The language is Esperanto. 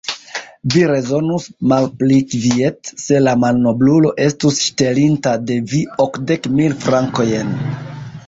Vi rezonus malpli kviete, se la malnoblulo estus ŝtelinta de vi okdek mil frankojn!